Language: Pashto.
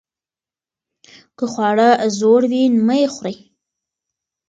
که خواړه زوړ وي مه یې خورئ.